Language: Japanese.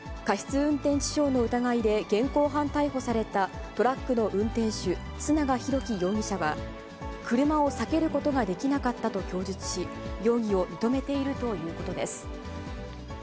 運転致傷の疑いで現行犯逮捕された、トラックの運転手、須永浩基容疑者は、車を避けることができなかったと供述し、容疑を認めているということです。